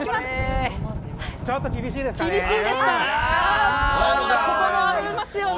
ちょっと厳しいですかね。